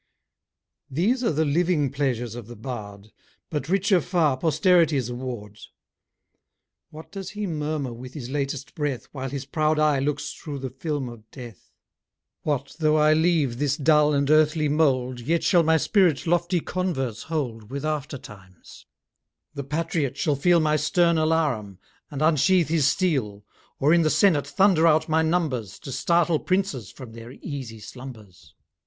These are the living pleasures of the bard: But richer far posterity's award. What does he murmur with his latest breath, While his proud eye looks through the film of death? "What though I leave this dull, and earthly mould, Yet shall my spirit lofty converse hold With after times. The patriot shall feel My stern alarum, and unsheath his steel; Or, in the senate thunder out my numbers To startle princes from their easy slumbers.